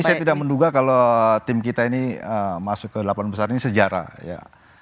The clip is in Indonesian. saya tidak menduga kalau tim kita ini masuk ke delapan besar ini sejarah ya